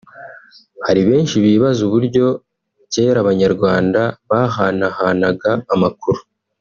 hari benshi bibaza uburyo kera abanyarwanda bahanahanaga amakuru